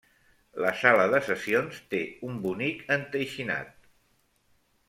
La sala de sessions té un bonic enteixinat.